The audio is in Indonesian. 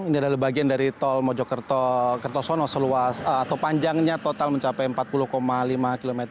ini adalah bagian dari tol mojokerto kertosono seluas atau panjangnya total mencapai empat puluh lima km